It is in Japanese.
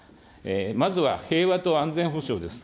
まずは平和と安全保障です。